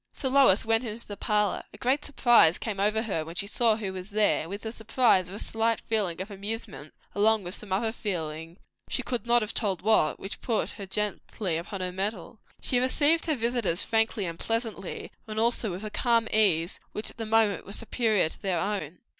So Lois went into the parlour. A great surprise came over her when she saw who was there, and with the surprise a slight feeling of amusement; along with some other feeling, she could not have told what, which put her gently upon her mettle. She received her visitors frankly and pleasantly, and also with a calm ease which at the moment was superior to their own.